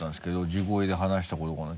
「地声で話したことがない」